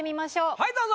はいどうぞ。